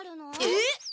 えっ！？